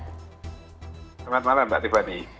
selamat malam mbak tiffany